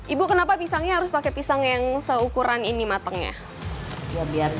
ibu kenapa pisangnya harus pakai pisang yang seukuran ini matangnya